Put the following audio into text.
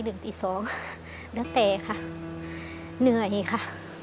แล้วแต่ค่ะเหนื่อยค่ะ